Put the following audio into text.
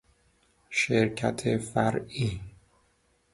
شرکت فرعی